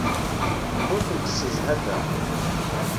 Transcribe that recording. Ur tent-ssejhadeɣ.